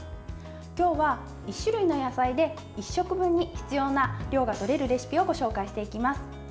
今日は１種類の野菜で１食分に必要な量がとれるレシピをご紹介していきます。